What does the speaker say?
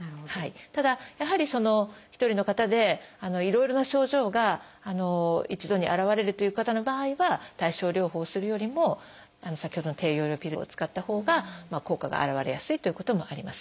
ただやはり１人の方でいろいろな症状が一度に現れるという方の場合は対症療法をするよりも先ほどの低用量ピルを使ったほうが効果が表れやすいということもあります。